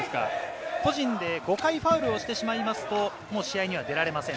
個人で５回ファウルをしてしまいますと試合に出られません。